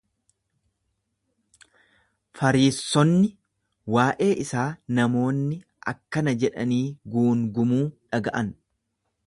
Fariissonni waa’ee isaa namoonni akkana jedhanii guungumuu dhaga’an.